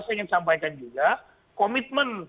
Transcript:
saya ingin sampaikan juga komitmen